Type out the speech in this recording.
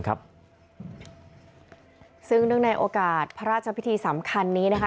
ซึ่งเนื่องในโอกาสพระราชพิธีสำคัญนี้นะคะ